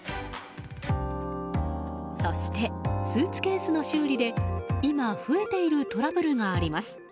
そして、スーツケースの修理で今増えているトラブルがあります。